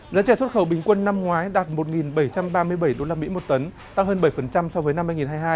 giá trẻ xuất khẩu bình quân năm ngoái đạt một bảy trăm ba mươi bảy usd một tấn tăng hơn bảy so với năm hai nghìn hai mươi hai